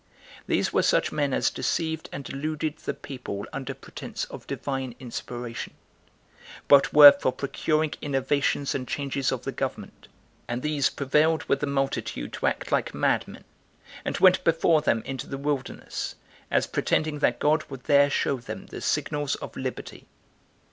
These were such men as deceived and deluded the people under pretense of Divine inspiration, but were for procuring innovations and changes of the government; and these prevailed with the multitude to act like madmen, and went before them into the wilderness, as pretending that God would there show them the signals of liberty.